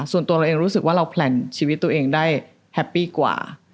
ส่วนตัวเราเองรู้สึกว่าเราแพลนชีวิตตัวเองได้แฮปปี้กว่า